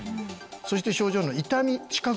そして症状の痛み知覚